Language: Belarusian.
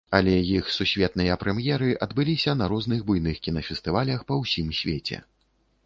Але іх сусветныя прэм'еры адбыліся на розных буйных кінафестывалях па ўсім свеце.